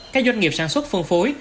các doanh nghiệp sản xuất phân phối